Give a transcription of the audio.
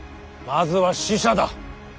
まずは使者だ。